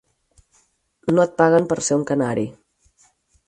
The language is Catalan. No et paguen per ser un canari.